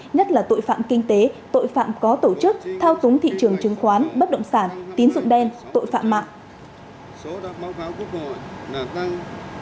nhất là tội phạm kinh tế tội phạm có tổ chức thao túng thị trường chứng khoán bất động sản tín dụng đen tội phạm mạng